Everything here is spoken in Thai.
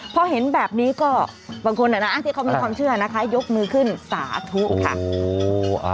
พอเห็นแบบนี้ก็บางคนที่เขามีความเชื่อนะคะยกมือขึ้นสาธุค่ะ